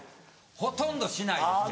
ほとんどしないですけど。